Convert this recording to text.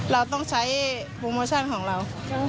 เราต้องใช้โปรโมชั่นของเรา